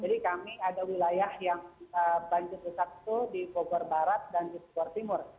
jadi kami ada wilayah yang banjir besar itu di bogor barat dan di bojongkulur timur